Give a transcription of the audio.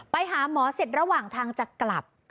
ไปหาหมอเสร็จระหว่างทางจะกลับ